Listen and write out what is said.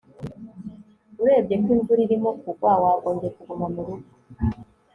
Urebye ko imvura irimo kugwa wagombye kuguma murugo